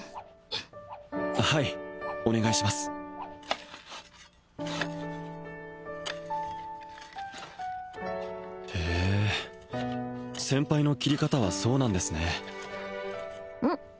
はいお願いしますへえ先輩の切り方はそうなんですねうん？